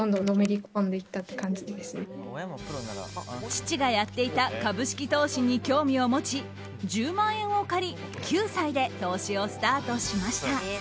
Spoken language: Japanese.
父がやっていた株式投資に興味を持ち、１０万円を借り９歳で投資をスタートしました。